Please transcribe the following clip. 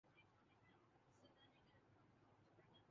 سلطنت بھی ایک نہ رہی۔